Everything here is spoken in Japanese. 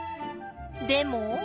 でも。